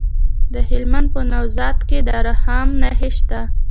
د هلمند په نوزاد کې د رخام نښې شته.